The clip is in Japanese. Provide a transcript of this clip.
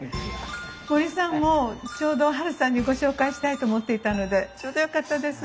森さんもちょうどハルさんにご紹介したいと思っていたのでちょうどよかったです。